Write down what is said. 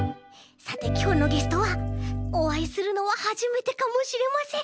さてきょうのゲストはおあいするのははじめてかもしれません。